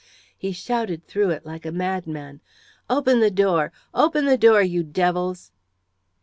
He shouted through it, like a madman "Open the door! Open the door, you devils!"